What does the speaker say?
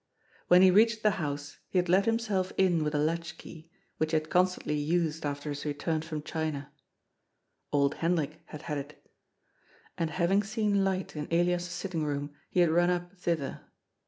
When he reached the house, he had let himself in with a latch key, which he had constantly used after his return from China (Old Hendrik had had it), and, having seen light in Elias's sitting room, he had run up thither.